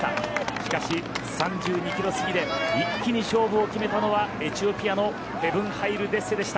しかし、３２キロ過ぎで一気に勝負を決めたのはエチオピアのヘヴン・ハイル・デッセでした。